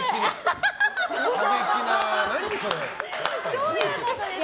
どういうことですか？